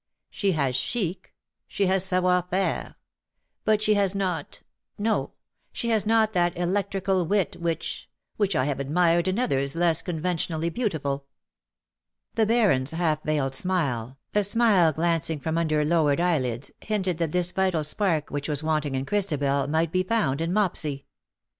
She has chic — she has savoir faire ; but she has not — no, she has not that. elec trical wit which — which I have admired in others less conventionally beautiful.''^ The Baron^s half veiled smile, a smile glancing from under lowered eyelids, hinted that this vital spark w^hich was wanting in Christabel might be found in Mopsy.